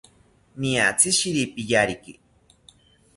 Niatzi shiripiyariki